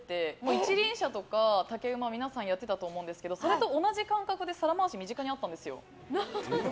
一輪車とか竹馬皆さんやってたと思うんですけどそれと同じ感覚で皿回しが身近にあったんですよ。